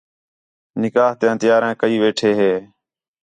نِکاح تِیاں تیاریاں کَئی ویٹھے ہے